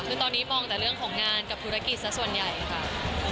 คือตอนนี้มองแต่เรื่องของงานกับธุรกิจสักส่วนใหญ่ค่ะ